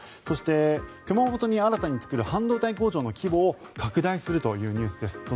そして、熊本に新たに作る半導体工場の規模を拡大するというニュースです。